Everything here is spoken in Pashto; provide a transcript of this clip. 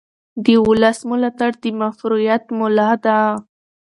د ولس ملاتړ د مشروعیت ملا ده